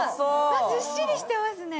ずっしりしてますね。